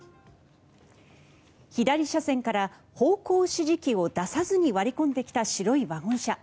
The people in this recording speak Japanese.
左車線から方向指示器を出さずに割り込んできた白いワゴン車。